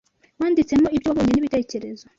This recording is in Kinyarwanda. wanditsemo ibyo wabonye nibitekerezo